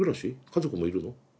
家族もいるの？